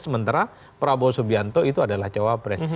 sementara prabowo subianto itu adalah cawapres